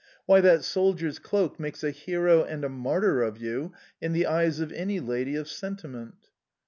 Why, that soldier's cloak makes a hero and a martyr of you in the eyes of any lady of sentiment!"